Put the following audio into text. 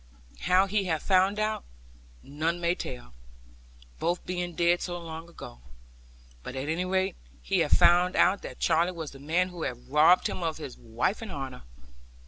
How he had found out, none may tell; both being dead so long ago; but, at any rate, he had found out that Charley was the man who had robbed him of his wife and honour.